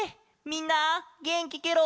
みんなげんきケロ？